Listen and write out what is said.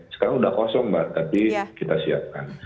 sekarang sudah kosong mbak tapi kita siapkan